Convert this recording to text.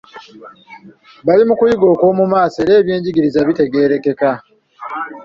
Bali mu kuyiga okw'omu maaso era ebyenjigiriza bitegeerekeka.